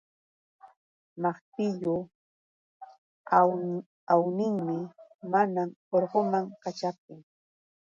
Maqtillu awninmi maman urguman kaćhaptin.